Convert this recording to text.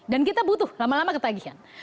dan kita butuh lama lama ketagihan